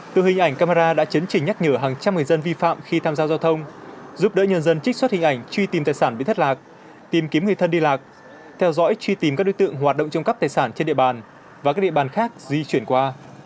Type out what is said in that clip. từ hình ảnh camera đã chấn chỉnh nhắc nhở hàng trăm người dân vi phạm khi tham gia giao thông giúp đỡ nhân dân trích xuất hình ảnh truy tìm tài sản bị thất lạc tìm kiếm người thân đi lạc theo dõi truy tìm các đối tượng hoạt động trong cắp tài sản trên địa bàn và các địa bàn khác di chuyển qua